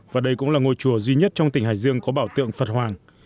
và đây cũng là ngôi chùa duy nhất trong tỉnh hải dương có bảo tượng phật hoàng